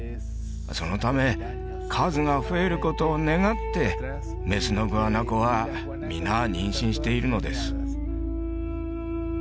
そのため数が増えることを願ってメスのグアナコは皆妊娠しているのです